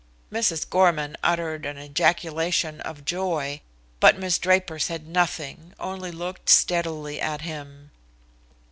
Mrs. Gorman uttered an ejaculation of joy, but Miss Draper said nothing, only looked steadily at him.